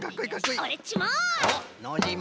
オレっちも！